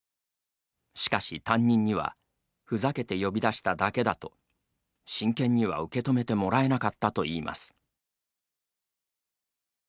しかし担任にはふざけて呼び出しただけだと真剣には受け止めてもらえなかったといいます。